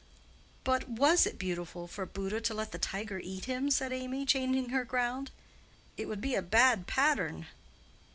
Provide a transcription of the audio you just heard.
"But was it beautiful for Buddha to let the tiger eat him?" said Amy, changing her ground. "It would be a bad pattern."